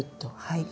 はい。